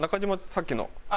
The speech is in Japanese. さっきの。